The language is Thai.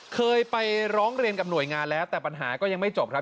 เคยไปร้องเรียนกับหน่วยงานแล้วแต่ปัญหาก็ยังไม่จบครับ